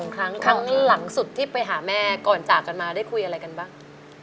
ครั้งหลังสุดที่ไปหาแม่ก่อนจากกันมาได้คุยอะไรกันบ้าง